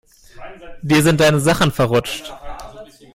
Dir sind deine Sachen verrutscht.